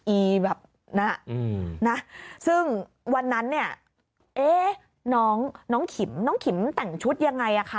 อีแบบนะซึ่งวันนั้นน้องขิมน้องขิมแต่งชุดยังไงคะ